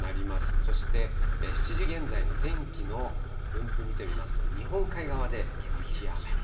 そして７時現在の天気の分布見てみますと、日本海側で雪や雨。